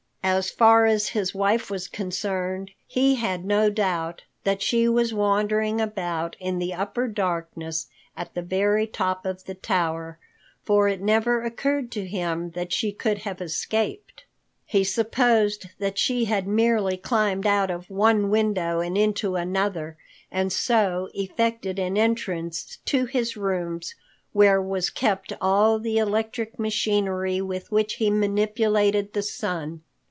As far as his wife was concerned, he had no doubt that she was wandering about in the upper darkness at the very top of the tower, for it never occurred to him that she could have escaped. He supposed that she had merely climbed out of one window and into another, and so effected an entrance to his rooms where was kept all the electric machinery with which he manipulated the sun.